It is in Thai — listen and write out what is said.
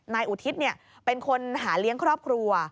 นายอุทิศเนี่ยเป็นคนหาเลี้ยงครอบครัว